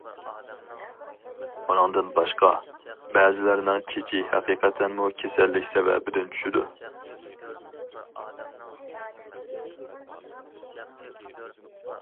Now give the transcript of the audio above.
ئۇنىڭدىن باشقا، بەزىلەرنىڭ چېچى ھەقىقەتەنمۇ كېسەللىك سەۋەبىدىن چۈشىدۇ.